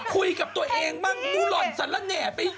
คุยกับตัวเองแบบนื่อยสันอะแน่